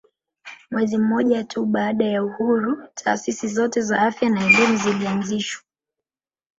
Mwezi mmoja tu baada ya uhuru taasisi zote za afya na elimu zilianzishwa